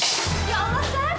ya allah sam